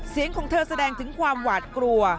เสียงของเธอแสดงถึงความหวาดกลัว